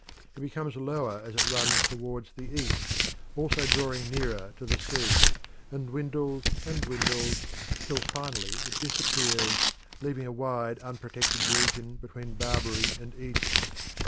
It becomes lower as it runs towards the east, also drawing nearer to the sea, and dwindles and dwindles till finally it disappears, leaving a wide, unprotected region between Barbary and Egypt.